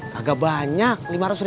kagak banyak lima ratus ribu doang